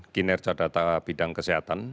kinerja data bidang kesehatan